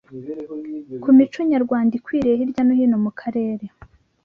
ku mico nyarwanda ikwiriye hirya no hino mu karere